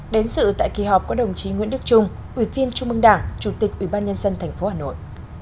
đến sự tại kỳ họp có đồng chí nguyễn đức trung ủy viên trung mương đảng chủ tịch ủy ban nhân dân tp hà nội